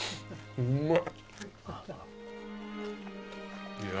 うまい！